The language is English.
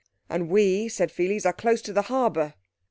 "And we," said Pheles, "are close to the harbour."